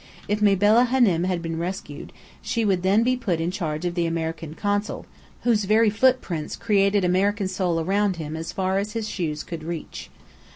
If Mabella Hânem had been rescued, she would then be put in charge of the American Consul, whose very footprints created American soil around him as far as his shoes could reach.